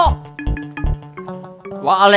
ibu lihat ya